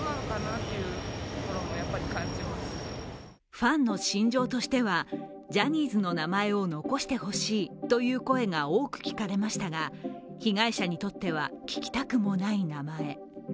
ファンの心情としてはジャニーズの名前を残してほしいという声が多く聞かれましたが、被害者にとっては聞きたくもない名前。